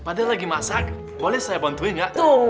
pada lagi masak boleh saya bantu enggak